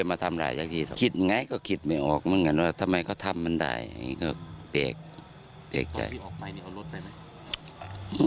บ๊วยพี่ออกใหม่นี่เอารถไปไหม